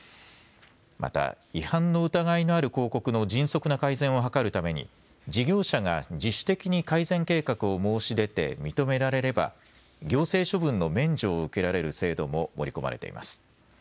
また違反の疑いのある広告の迅速な改善を図るために事業者が自主的に改善計画を申し出て認められれば行政処分の免除を受けられる制度も盛り込まれています。